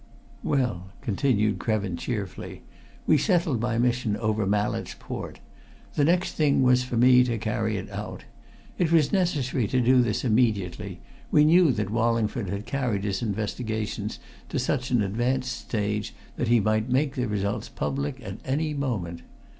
"Well," continued Krevin cheerfully, "we settled my mission over Mallett's port. The next thing was for me to carry it out. It was necessary to do this immediately we knew that Wallingford had carried his investigations to such an advanced stage that he might make the results public at any moment.